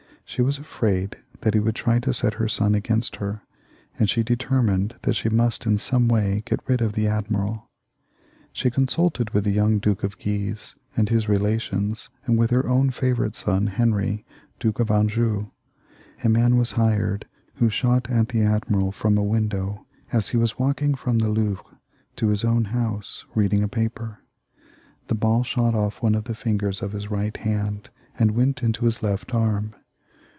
She was afraid that he would try to set her son against her, and she determined that she must in some way get rid of the admiral She consulted with the young Duke of Guise and his relations, and with her own favourite son, Henry, Duke of Anjou. A man was hired, who shot at the admiral from a window as he was walking from the Louvre 280 CHARLES IX, [CH. to his own house, reading a paper. The ball shot ofif one of the fingers of his right hand, and went into his left arm.